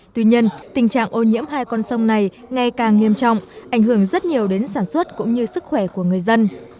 tuy nhiên tình trạng ô nhiễm hai con sông này ngày càng nghiêm trọng ảnh hưởng rất nhiều đến sản xuất cũng như sức khỏe của người dân